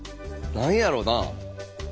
何やろな。